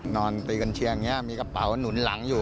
นอนตรีกันเชียงมีกระเป๋าหนุนหลังอยู่